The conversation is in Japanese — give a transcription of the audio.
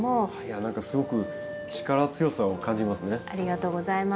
何かすごく力強さを感じますね。